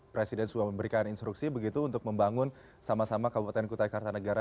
presiden sudah memberikan instruksi begitu untuk membangun sama sama kabupaten kota gateng negara